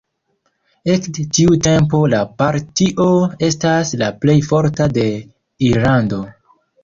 Ekde tiu tempo la partio estas la plej forta de Irlando.